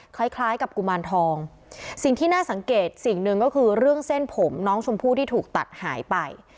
คล้ายคล้ายกับกุมารทองสิ่งที่น่าสังเกตสิ่งหนึ่งก็คือเรื่องเส้นผมน้องชมพู่ที่ถูกตัดหายไป